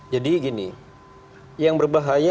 jadi gini yang berbahaya